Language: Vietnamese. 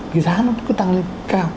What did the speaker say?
cái giá nó cứ tăng lên cao